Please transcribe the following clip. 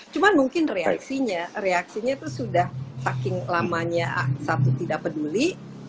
cuma mungkin reaksinya reaksinya itu sudah saking lamanya satu tidak peduli